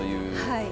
はい。